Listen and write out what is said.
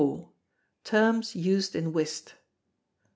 Terms used in Whist.